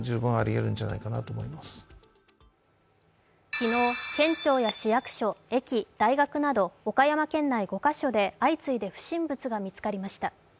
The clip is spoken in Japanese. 昨日、県庁や市役所、駅、大学など岡山県内５か所で相次いで不審物が見つかりました。